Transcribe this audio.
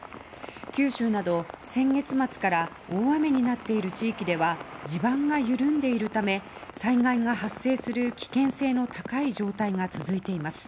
九州など先月末から大雨になっている地域では地盤が緩んでいるため災害が発生する危険性が高い状態が続いています。